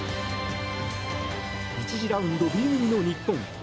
１次ラウンドＢ組の日本。